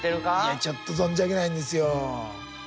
いやちょっと存じ上げないんですよ。